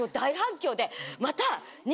また。